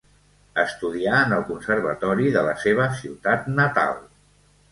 Estudià en el Conservatori de la seva ciutat natal.